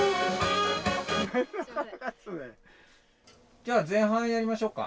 じゃあ前半やりましょうか。